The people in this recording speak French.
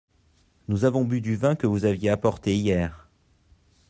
Nous avons bu du vin que vous aviez apporté hier.